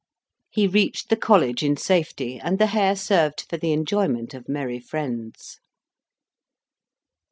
He reached the college in safety; and the hare served for the enjoyment of merry friends.